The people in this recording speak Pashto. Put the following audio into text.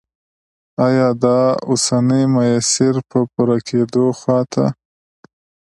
آیا دا اوسنی مسیر یې د پوره کېدو خواته